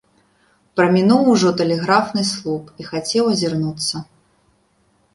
Прамінуў ужо тэлеграфны слуп і хацеў азірнуцца.